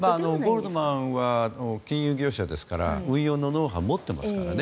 ゴールドマンは金融業者ですから運用のノウハウを持ってますからね。